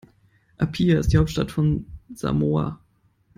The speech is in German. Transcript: Apia ist die Hauptstadt von Samoa.